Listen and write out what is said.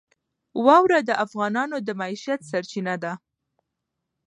واوره د افغانانو د معیشت سرچینه ده.